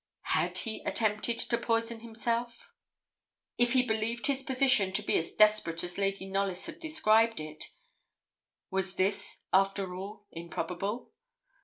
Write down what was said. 'Had he attempted to poison himself?' If he believed his position to be as desperate as Lady Knollys had described it, was this, after all, improbable?